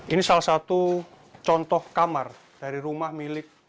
ini salah satu contoh kamar dari rumah milik